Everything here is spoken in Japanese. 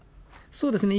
そうですね。